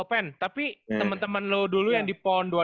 oh pen tapi temen temen lo dulu yang di pon dua ribu enam belas itu